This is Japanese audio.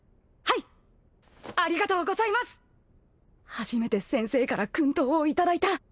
初めて先生から薫陶を頂いた